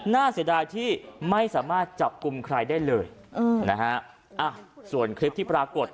เสียดายที่ไม่สามารถจับกลุ่มใครได้เลยอืมนะฮะอ่ะส่วนคลิปที่ปรากฏ